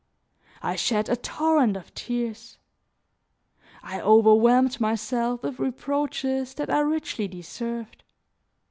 I shed a torrent of tears; I overwhelmed myself with reproaches that I richly deserved.